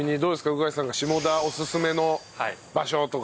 鵜飼さんが下田おすすめの場所とか。